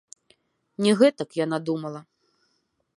Не гэтак яна думала.